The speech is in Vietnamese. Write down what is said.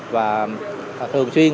và thường xuyên